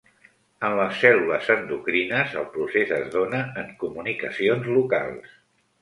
En les cèl·lules endocrines el procés es dóna en comunicacions locals.